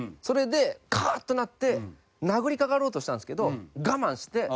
それでカーッとなって殴りかかろうとしたんですけど我慢して。